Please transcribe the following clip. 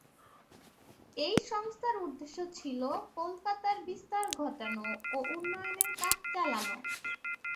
এই সংস্থার উদ্দেশ্য ছিল কলকাতার বিস্তার ঘটানো ও উন্নয়নের কাজ চালানো।